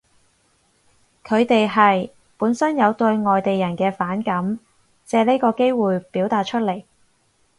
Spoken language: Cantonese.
佢哋係，本身有對外地人嘅反感，借呢個機會表達出嚟